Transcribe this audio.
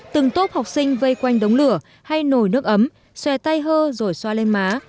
từng tốp học sinh vây quanh đống lửa hay nổi nước ấm xòe tay hơ rồi xoa lên má